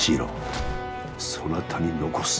そなたに残す。